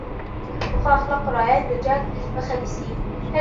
د ښو اخلاقو رعایت د جنګ مخه نیسي.